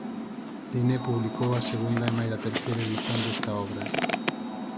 Linné publicou a segunda e maila terceira edición desta obra.